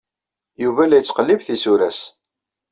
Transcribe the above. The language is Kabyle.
Yuba la yettqellib tisura-s.